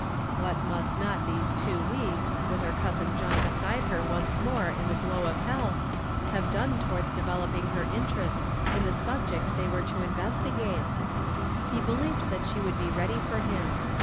What nni not these two weeks, with her cousin John heside her once more in the glow of liealth, have done towards developing her interest in the snhject they were to investigate I lie helieved that siie would be ready for him.